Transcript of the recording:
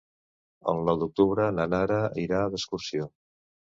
El nou d'octubre na Nara irà d'excursió.